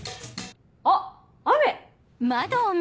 あっ雨！